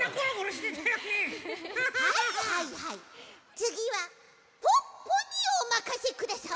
つぎはポッポにおまかせください。